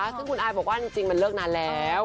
ซึ่งคุณอายบอกว่าจริงมันเลิกนานแล้ว